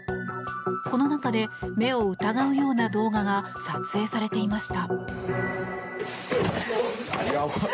この中で、目を疑うような動画が撮影されていました。